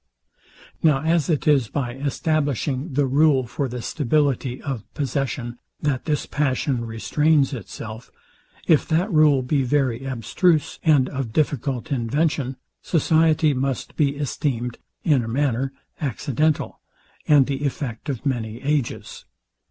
Now as it is by establishing the rule for the stability of possession, that this passion restrains itself; if that rule be very abstruse, and of difficult invention; society must be esteemed, in a manner, accidental, and the effect of many ages.